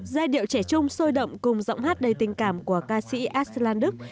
giai điệu trẻ trung sôi động cùng giọng hát đầy tình cảm của ca sĩ aslan đức